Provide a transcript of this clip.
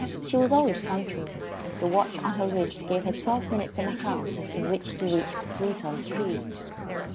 She was always punctual. The watch on her wrist gave her twelve minutes and a half in which to reach Bruton Street.